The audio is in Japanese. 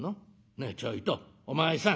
ねえちょいとお前さん。